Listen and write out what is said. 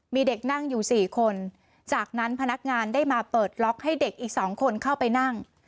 มีเด็กนั่งอยู่สี่คนจากนั้นพนักงานได้มาเปิดล็อกให้เด็กอีก๒คนเข้าไปนั่ง